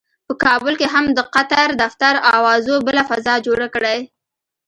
په کابل کې هم د قطر دفتر اوازو بله فضا جوړه کړې.